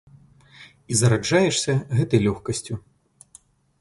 І зараджаешся гэтай лёгкасцю.